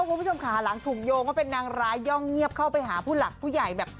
คุณผู้ชมค่ะหลังถูกโยงว่าเป็นนางร้ายย่องเงียบเข้าไปหาผู้หลักผู้ใหญ่แบบ